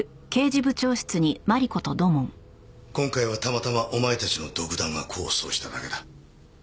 今回はたまたまお前たちの独断が功を奏しただけだ。